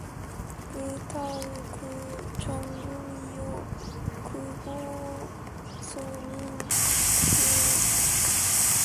그 땅의 금은 정금이요 그곳에는 베델리엄과 호마노도 있으며